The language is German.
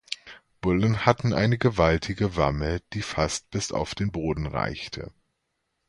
Bullen hatten eine gewaltige Wamme, die fast bis auf den Boden reichte.